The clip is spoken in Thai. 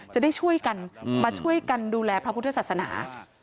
จะได้มาช่วยดูแลพระพุทธศาสนา